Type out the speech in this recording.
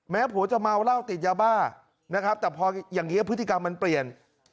แม้ผัวจะมาวเล่าติดยาบ้าแต่พออย่างนี้พฤติกรรมมันเปลี่ยน